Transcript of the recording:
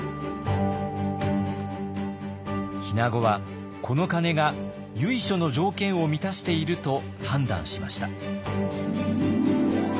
日名子はこの鐘が由緒の条件を満たしていると判断しました。